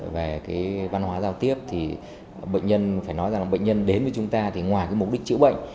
về cái văn hóa giao tiếp thì bệnh nhân phải nói rằng bệnh nhân đến với chúng ta thì ngoài cái mục đích chữa bệnh